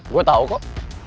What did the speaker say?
gue tau kok